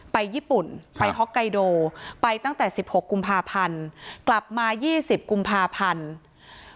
ไปญี่ปุ่นไปฮ็อกไกโดไปตั้งแต่สิบหกกุมภาพันธุ์กลับมายี่สิบกุมภาพันธุ์